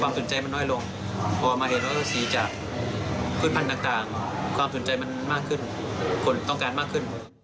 ความสนใจมันมากขึ้นคนต้องการมากขึ้น